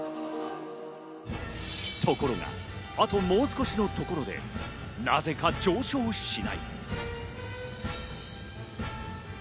ところが後もう少しのところでなぜか上昇しない。